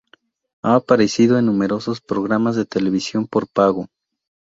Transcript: Ha aparecido en numerosos programas de televisión por pago.